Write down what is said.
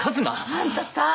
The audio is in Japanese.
あんたさあ。